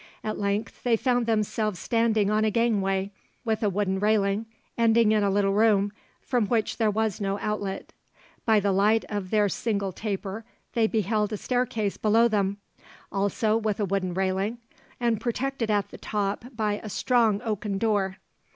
At length they found themselves standing on a gangway with a wooden railing, ending in a little room, from which there was no outlet. By the light of their single taper they beheld a staircase below them, also with a wooden railing, and protected at the top by a strong oaken door.